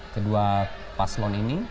kedua paslon ini